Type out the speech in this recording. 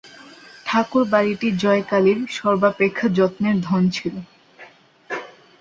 ঠাকুরবাড়িটি জয়কালীর সর্বাপেক্ষা যত্নের ধন ছিল।